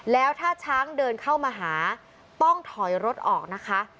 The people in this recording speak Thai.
แล้วถ้าช้างเดินเข้ามาหาต้องถอยรถออกนะคะ